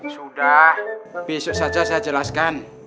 sudah besok saja saya jelaskan